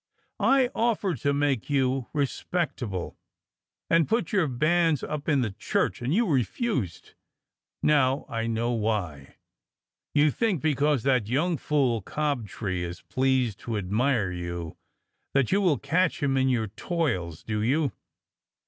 I offered to make you respectable and put your 114 DOCTOR SYN banns up in the church, and you refused. Now I know why. You think because that young fool Cob tree is pleased to admire you, that you will catch him in your toils, do you?